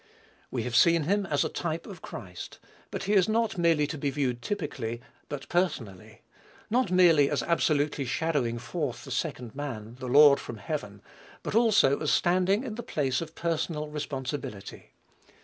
We have seen him as a type of Christ; but he is not merely to be viewed typically, but personally; not merely as absolutely shadowing forth "the second man, the Lord from heaven," but also as standing in the place of personal responsibility.